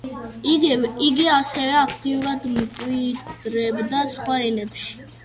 იგი ასევე აქტიურად მკვიდრდება სხვა ენებში.